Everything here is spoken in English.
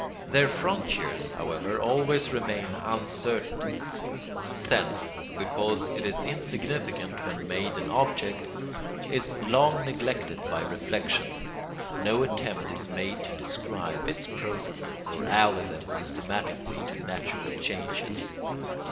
Their frontiers, however, always remain uncertain. Sense, because it is insignificant when made an object, is long neglected by reflection. No attempt is made to describe its processes or ally them systematically to natural changes.